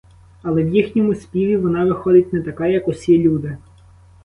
Але в їхньому співі вона виходить не така, як усі люди.